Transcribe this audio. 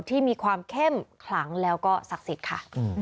ที่มีความเข้มขลังแล้วก็ศักดิ์สิทธิ์ค่ะ